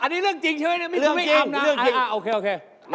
ดีชอบ